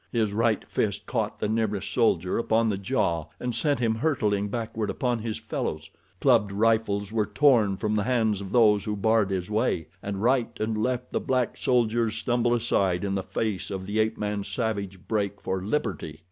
His right fist caught the nearest soldier upon the jaw and sent him hurtling backward upon his fellows. Clubbed rifles were torn from the hands of those who barred his way, and right and left the black soldiers stumbled aside in the face of the ape man's savage break for liberty.